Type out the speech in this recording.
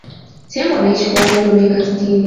tembo anaishi kwa umri wa miaka sitini